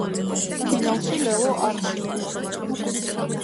ფინალში ლელო არ გასულა.